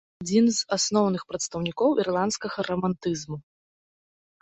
Адзін з асноўных прадстаўнікоў ірландскага рамантызму.